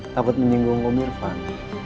takut menyinggung om irfan